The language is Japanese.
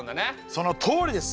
そのとおりです！